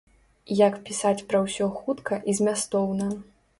Як пісаць пра ўсё хутка і змястоўна.